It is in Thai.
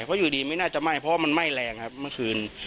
เพราะอยู่ดีไม่น่าจะไหม้เพราะว่ามันไหม้แรงครับเมื่อคืน